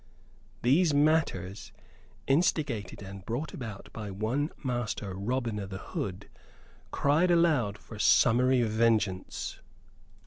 These matters, instigated and brought about by one Master Robin o' th' Hood, cried aloud for summary vengeance.